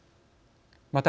また、